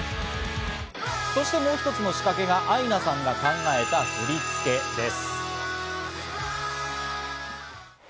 そしてもう一つの仕掛けがアイナさんが考えた振り付けです。